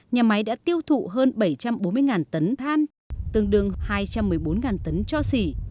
nhà máy đã tiêu thụ hơn bảy trăm bốn mươi tấn than tương đương hai trăm một mươi bốn tấn cho xỉ